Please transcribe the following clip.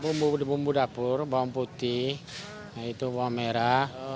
bumbu bumbu dapur bawang putih yaitu bawang merah